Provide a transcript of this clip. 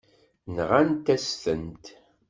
Nɣant-as-tent.